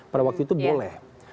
pada waktu itu boleh